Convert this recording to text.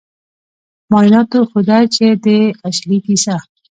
معایناتو ښوده چې د اشلي کیسه